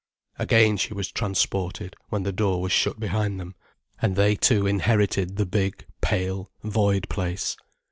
Again she was transported when the door was shut behind them, and they two inherited the big, pale, void place.